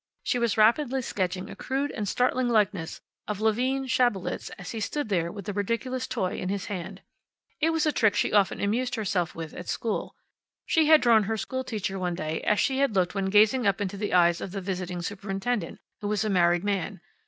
She was rapidly sketching a crude and startling likeness of Levine Schabelitz as he stood there with the ridiculous toy in his hand. It was a trick she often amused herself with at school. She had drawn her school teacher one day as she had looked when gazing up into the eyes of the visiting superintendent, who was a married man.